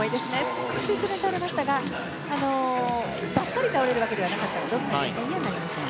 少し後ろに倒れましたがばったり倒れるわけではなかったので減点にはなりません。